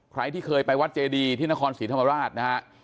ใครที่เคยไปวัดเจดีที่นครศรีธรรมราชนะฮะ